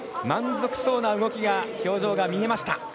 満足そうな動きが表情が見えました！